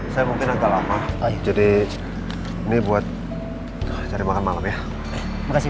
saya mungkin agak lama jadi ini buat cari makan malam ya makasih